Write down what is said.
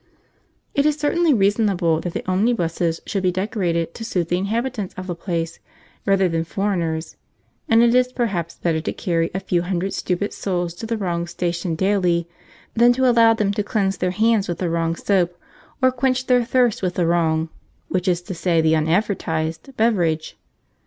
It is certainly reasonable that the omnibuses should be decorated to suit the inhabitants of the place rather than foreigners, and it is perhaps better to carry a few hundred stupid souls to the wrong station daily than to allow them to cleanse their hands with the wrong soap, or quench their thirst with the wrong (which is to say the unadvertised) beverage.